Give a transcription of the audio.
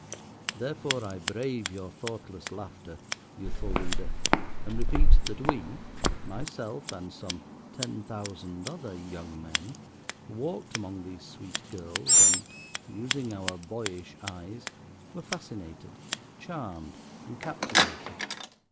Therefore, I brave your thoughtless laughter, youthful Reader, and repeat that we, myself and some ten thousand other young men, walked among these sweet girls; and, using our boyish eyes, were fascinated, charmed, and captivated.